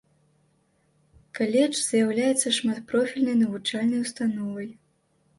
Каледж з'яўляецца шматпрофільнай навучальнай установай.